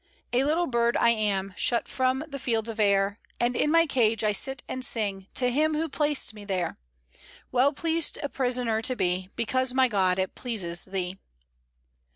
"A little bird I am, Shut from the fields of air, And in my cage I sit and sing To Him who placed me there; Well pleased a prisoner to be, Because, my God, it pleases Thee."